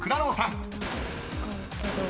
使うけど。